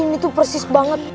ini tuh persis banget